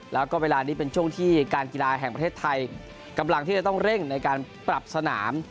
แล้วก็เวลานี้เป็นช่วงที่การกีฬาแห่งประเทศไทยกำลังที่จะต้องเร่งในการปรับสนาม